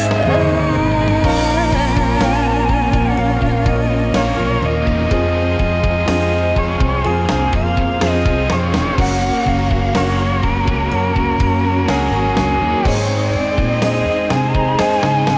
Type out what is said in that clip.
พอร้องหายได้